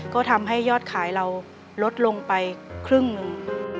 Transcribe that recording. ก็ทำให้ยอดขายเราลดลงไปครึ่งหนึ่ง